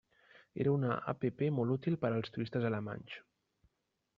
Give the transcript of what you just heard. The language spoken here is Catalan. Era una app molt útil per als turistes alemanys.